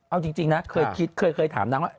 เอาจริงนะเคยคิดเคยถามนางว่า